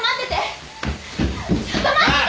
ちょっと待ってて！